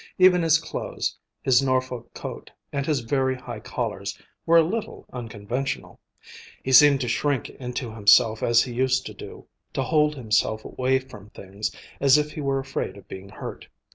Even his clothes, his Norfolk coat and his very high collars, were a little unconventional. He seemed to shrink into himself as he used to do; to hold himself away from things, as if he were afraid of being hurt.